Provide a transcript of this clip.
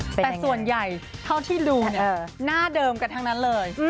แต่ส่วนใหญ่เท่าที่ดูเนี่ยหน้าเดิมกันทั้งนั้นเลย